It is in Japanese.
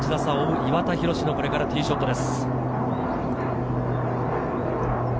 岩田寛のこれからティーショットです。